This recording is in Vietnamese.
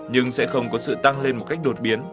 nhưng sẽ không có sự tăng lên một cách đột biến